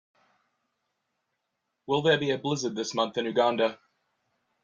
Will there be a blizzard this month in Uganda